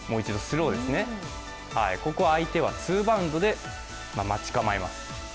相手はツーバウンドで待ち構えます。